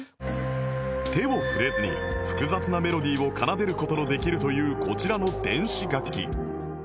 手を触れずに複雑なメロディを奏でる事のできるというこちらの電子楽器